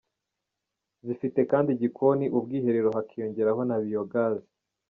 Zifite kandi igikoni, ubwiherero hakiyongeraho na biyogazi.